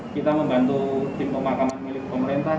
kita membantu tim pemakaman milik pemerintah